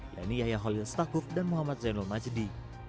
yaitu yahya holil stakuf dan muhammad zainul majdi